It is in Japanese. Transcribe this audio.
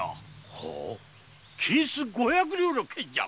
金子五百両の件じゃ。